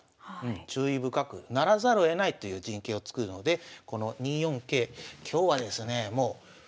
注意深くならざるをえないという陣形を作るのでこの２四桂今日はですね